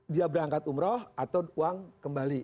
dia berangkat umroh atau uang kembali